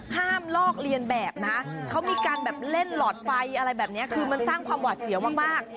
ลอกเลียนแบบนะเขามีการแบบเล่นหลอดไฟอะไรแบบนี้คือมันสร้างความหวาดเสียวมาก